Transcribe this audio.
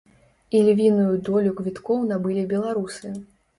Ільвіную долю квіткоў набылі беларусы.